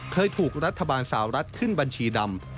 เคยถูกรัฐบาลสาวรัฐขึ้นบัญชีดำ